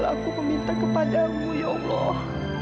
aku meminta kepadamu ya allah